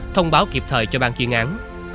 thông báo kịp thời cho ban chuyên án